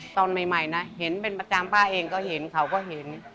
ตอนใหม่นะเห็นเป็นประจำป้าเองก็เห็นเขาก็เห็น